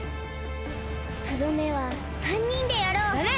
とどめは３にんでやろう！だね！